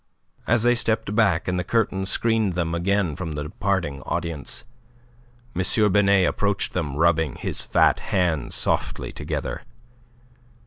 As they stepped back, and the curtains screened them again from the departing audience, M. Binet approached them, rubbing his fat hands softly together.